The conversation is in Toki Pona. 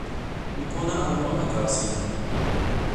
mi pona ala pona tawa sina?